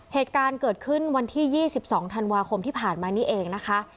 เหตุการณ์เกิดขึ้นวันที่๒๒ธันวาคมที่ผ่านมานี่เองนะคะ